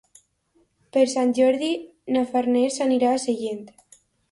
Per Sant Jordi na Farners anirà a Sellent.